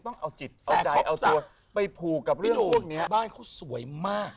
ต้องอธิบายแบบนี้นะ